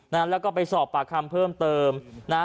นะฮะแล้วก็ไปสอบปากคำเพิ่มเติมนะฮะ